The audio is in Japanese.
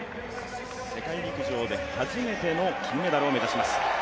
世界陸上で初めての金メダルを目指します。